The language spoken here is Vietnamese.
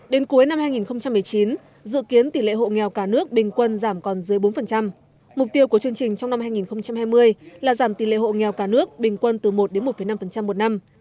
đến cuối năm hai nghìn một mươi chín dự kiến tỷ lệ hộ nghèo cả nước bình quân giảm còn dưới bốn mục tiêu của chương trình trong năm hai nghìn hai mươi là giảm tỷ lệ hộ nghèo cả nước bình quân từ một một năm một năm